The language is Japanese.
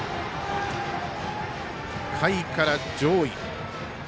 下位から上位。